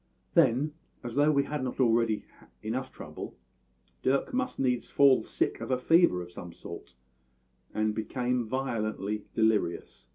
"Then, as though we had not already enough trouble, Dirk must needs fall sick of a fever of some sort, and became violently delirious.